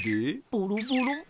ボロボロ？